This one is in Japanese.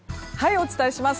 お伝えします。